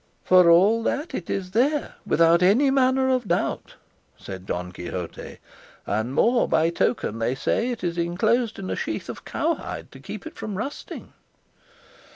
"For all that it is there, without any manner of doubt," said Don Quixote; "and more by token they say it is inclosed in a sheath of cowhide to keep it from rusting."